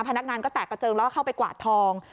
พนักงานก็แตกกระเจิงแล้วก็เข้าไปกวาดทอง